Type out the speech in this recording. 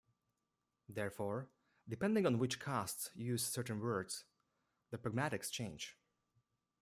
Therefore, depending on which castes use certain words the pragmatics change.